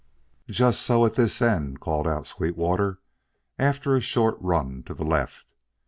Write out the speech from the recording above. "Just so at this end," called out Sweetwater after a short run to the left.